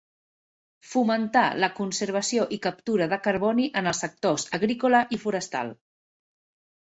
Fomentar la conservació i captura de carboni en els sectors agrícola i forestal.